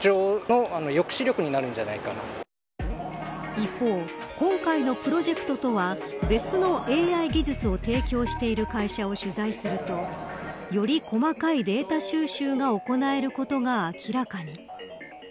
一方、今回のプロジェクトとは別のＡＩ技術を提供している会社を取材するとより細かいデータ収集が行えることが明らかに。